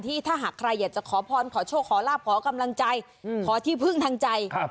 ถ้าหากใครอยากจะขอพรขอโชคขอลาบขอกำลังใจขอที่พึ่งทางใจ